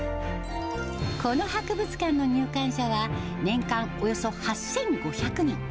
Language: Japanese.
この博物館の入館者は、年間およそ８５００人。